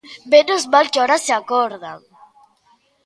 ¡Menos mal que agora se acordan!